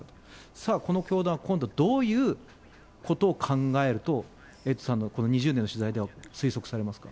さあ、この教団は今度どういうことを考えると、エイトさんのこの２０年の取材で考えますか？